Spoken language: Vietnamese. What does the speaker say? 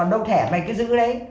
còn đâu thẻ mày cứ giữ đấy